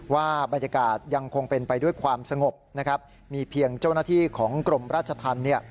ว่าบรรยากาศยังคงเป็นไปด้วยความสงบนะครับมีเพียงเจ้าหน้าที่ของกรมราชธรรมเนี่ย